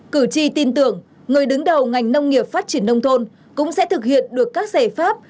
cử tri tin tưởng người đứng đầu ngành nông nghiệp phát triển nông thôn cũng sẽ thực hiện được các giải pháp